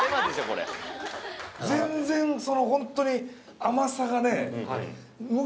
これ全然そのホントに甘さがね